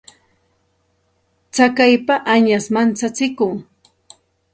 Tsakaypa añash manchachikun.